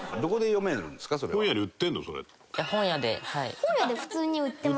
本屋で普通に売ってます。